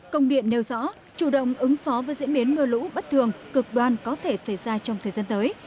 công điện nêu rõ chủ động ứng phó với diễn biến mưa lũ bất thường cực đoan có thể xảy ra trong thời gian tới